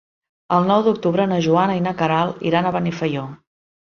El nou d'octubre na Joana i na Queralt iran a Benifaió.